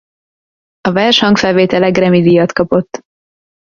A vers hangfelvétele Grammy-díjat kapott.